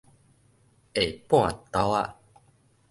下半晝仔